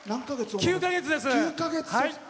９か月です。